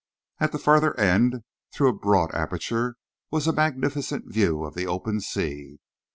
At the further end, through a broad aperture, was a magnificent view of the open sea.